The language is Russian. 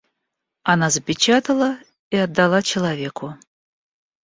Она запечатала и отдала человеку.